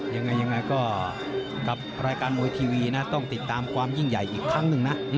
ยังไงยังไงก็กับรายการมวยทีวีนะต้องติดตามความยิ่งใหญ่อีกครั้งหนึ่งนะ